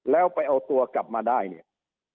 แล้วไปเอาตัวกลับมาได้เนี่ย